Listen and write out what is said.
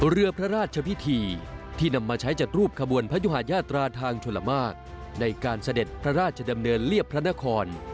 เรือพระราชพิธีที่นำมาใช้จากรูปขบวนพระยุหาญาตราทางชลมากในการเสด็จพระราชดำเนินเรียบพระนคร